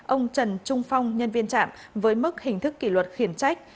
ông trần trung phong nhân viên trạm với mức hình thức kỷ luật khiển trách